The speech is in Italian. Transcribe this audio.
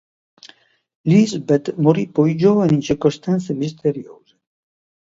Lisbeth morì poi giovane in circostanze misteriose.